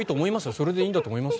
それでいいんだと思います。